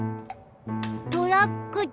トラックだ。